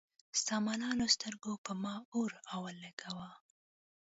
ستا ملالو سترګو پۀ ما اور اولګوو